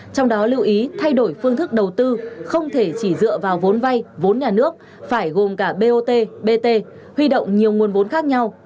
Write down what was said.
trong đó lưu ý thay đổi phương thức đầu tư không thể chỉ dựa vào vốn vay vốn nhà nước phải gồm cả bot bt huy động nhiều nguồn vốn khác nhau